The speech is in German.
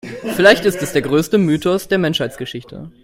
Vielleicht ist es der größte Mythos der Menschheitsgeschichte.